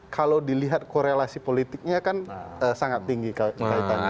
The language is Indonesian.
kalau dilihat korelasi politiknya kan sangat tinggi kaitannya